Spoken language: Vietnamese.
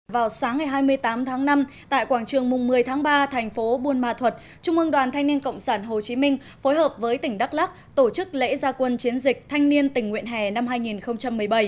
vào sáng ngày hai mươi tám tháng năm tại quảng trường mùng một mươi tháng ba thành phố buôn ma thuật trung ương đoàn thanh niên cộng sản hồ chí minh phối hợp với tỉnh đắk lắc tổ chức lễ gia quân chiến dịch thanh niên tình nguyện hè năm hai nghìn một mươi bảy